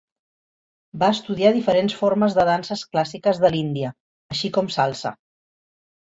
Va estudiar diferents formes de Danses clàssiques de l'Índia, així com salsa.